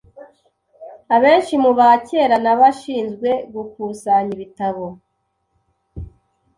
Abenshi mu bakera nabashinzwe gukusanya ibitabo